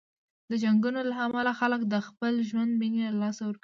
د جنګونو له امله خلک د خپل ژوند مینې له لاسه ورکوي.